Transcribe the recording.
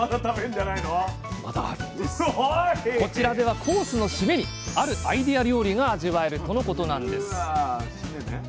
こちらではコースのシメにあるアイデア料理が味わえるとのことなんです